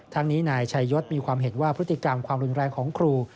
ทั้งนี้นายชัยยศมีความเห็นว่าพฤติกรรมความรุนแรงของครู